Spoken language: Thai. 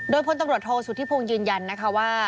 โดยพลตำรวจโทษสุธิพงศ์ยืนยันนะคะว่า